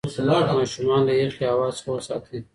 ماشومان له یخې هوا څخه وساتئ.